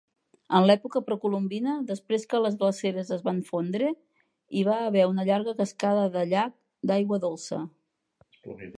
En l'època precolombina, després que les glaceres es van fondre, hi va haver una llarga cascada de llac d'aigua dolça.